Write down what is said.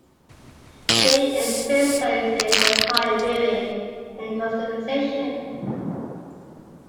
The game emphasizes empire building and customization.